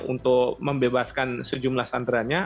untuk membebaskan sejumlah sandarannya